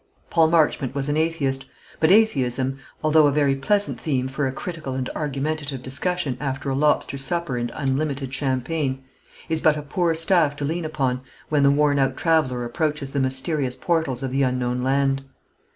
Paul Marchmont was an atheist; but atheism, although a very pleasant theme for a critical and argumentative discussion after a lobster supper and unlimited champagne, is but a poor staff to lean upon when the worn out traveller approaches the mysterious portals of the unknown land.